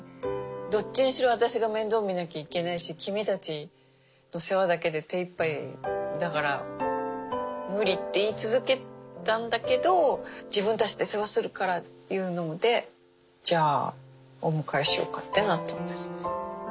どっちにしろ私が面倒見なきゃいけないし君たちの世話だけで手いっぱいだから無理って言い続けたんだけど自分たちで世話するからって言うのでじゃあお迎えしようかってなったんです。